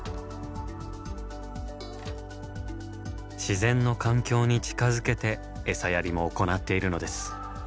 自然の環境に近づけて餌やりも行っているのです。